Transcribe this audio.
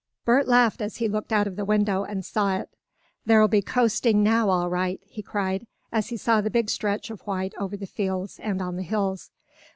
Bert laughed as he looked out of the window and saw it. "There'll be coasting now all right!" he cried, as he saw the big stretch of white over the fields and on the hills.